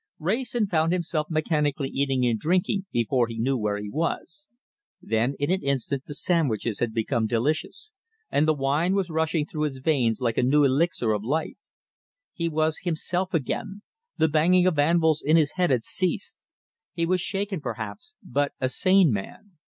Wrayson found himself mechanically eating and drinking before he knew where he was. Then in an instant the sandwiches had become delicious, and the wine was rushing through his veins like a new elixir of life. He was himself again, the banging of anvils in his head had ceased; he was shaken perhaps, but a sane man.